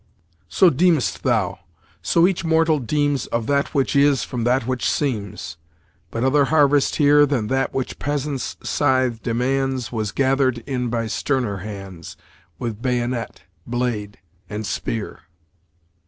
"So deem'st thou so each mortal deems Of that which is from that which seems; But other harvest here Than that which peasant's scythe demands, Was gather'd in by sterner hands, With bayonet, blade, and spear."